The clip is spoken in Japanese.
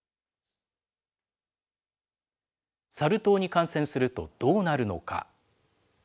サル痘に感染するとどうなるのか。